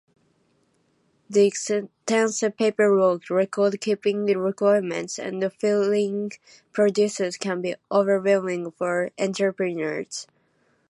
The extensive paperwork, record-keeping requirements, and filing procedures can be overwhelming for entrepreneurs.